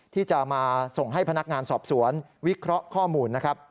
ที่จะมาส่งให้พนักงานสอบสวนวิเคราะห์ข้อมูลนะครับ